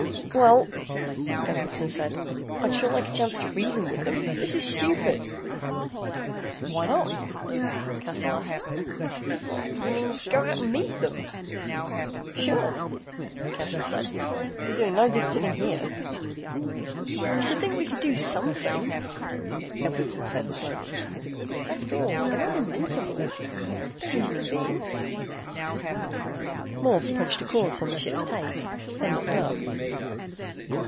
"Well," Edwardson said, "I'd sure like a chance to reason with them. This is stupid." "Why not?" Cassel asked. "You mean go out and meet them?" "Sure," Cassel said. "We're doing no good sitting here." "I should think we could do something," Edwardson said slowly. "After all, they're not invincible. They're reasoning beings." Morse punched a course on the ship's tape, then looked up.